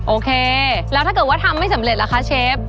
โอเคแล้วถ้าเกิดว่าทำไม่สำเร็จล่ะคะเชฟ